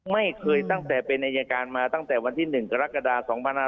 ตั้งแต่เป็นอายการมาตั้งแต่วันที่๑กรกฎา๒๕๖๒